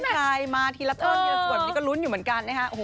ใครมาทีละท่อนทีละส่วนนี้ก็ลุ้นอยู่เหมือนกันนะฮะ